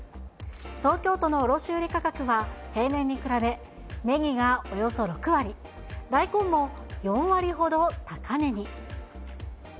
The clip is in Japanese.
東京都の卸売り価格は平年に比べ、ネギがおよそ６割、大根も４割ほど高値に。